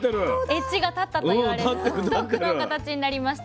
エッジが立ったと言われる独特の形になりました。